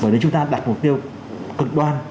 bởi vì chúng ta đặt mục tiêu cực đoan